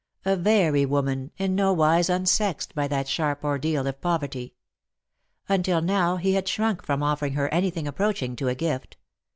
A very woman, in no wise unsexed by that sharp ordeal of poverty. Until now he had shrunk from offering her anything approaching to a gift.